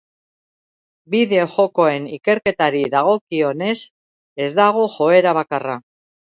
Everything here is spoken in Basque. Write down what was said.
Bideo-jokoen ikerketari dagokionez, ez dago joera bakarra.